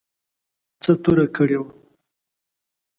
څه توره کړې وه.